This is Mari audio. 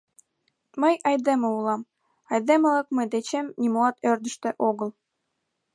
Мый айдеме улам, айдемылык мый дечем нимоат ӧрдыжтӧ огыл.